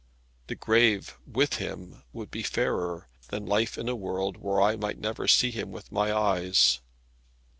The grave, with him, would be fairer, than life in a world where I might never see him with my eyes.